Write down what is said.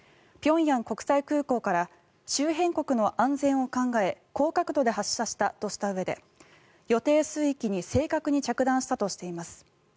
平壌国際空港から周辺国の安全を考え高角度で発射したとしたうえで予定水域に正確に着弾したとしています。